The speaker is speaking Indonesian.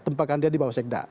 tempatkan dia di bawah sekda